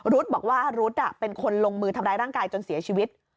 บอกว่ารุ๊ดเป็นคนลงมือทำร้ายร่างกายจนเสียชีวิต